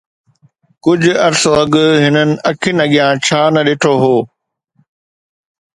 ڪجهه عرصو اڳ هنن اکين اڳيان ڇا نه ڏٺو هو